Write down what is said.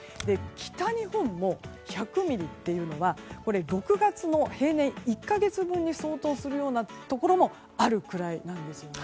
北日本の１００ミリというのは６月の平年１か月分に相当するようなところもあるくらいなんですね。